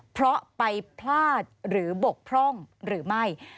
เพราะไปพลาดหรือบกพร่องหรือไม่